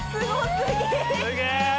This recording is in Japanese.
すげえ。